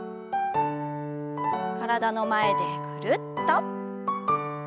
体の前でぐるっと。